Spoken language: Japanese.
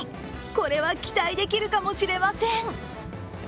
これは期待できるかもしれません。